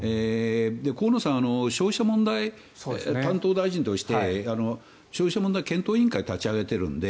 河野さんは消費者問題担当大臣として消費者問題検討委員会を立ち上げているので。